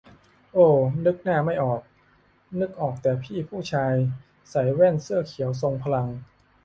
โอ้ นึกหน้าไม่ออก นึกออกแต่พี่ผู้ชายใส่แว่นเสื้อเขียวทรงพลัง